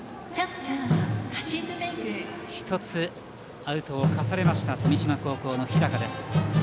１つ、アウトを重ねました富島高校の日高です。